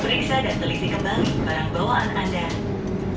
periksa dan teliti kembali barang bawaan anda